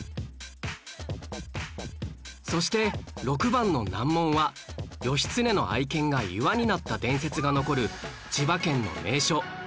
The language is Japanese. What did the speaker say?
そして６番の難問は義経の愛犬が岩になった伝説が残る千葉県の名所